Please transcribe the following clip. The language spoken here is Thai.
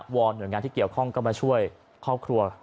อนหน่วยงานที่เกี่ยวข้องก็มาช่วยครอบครัว